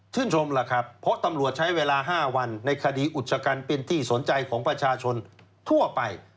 ล่ะครับเพราะตำรวจใช้เวลา๕วันในคดีอุชกันเป็นที่สนใจของประชาชนทั่วไป